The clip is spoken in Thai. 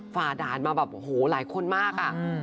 ฝ่าด่านมาแบบโอ้โหหลายคนมากอ่ะ